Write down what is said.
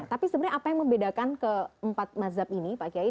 tapi sebenarnya apa yang membedakan keempat mazhab ini pak kiai